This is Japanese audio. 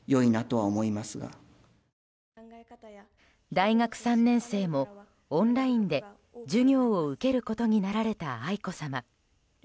大学３年生もオンラインで授業を受けることになられた愛子さま。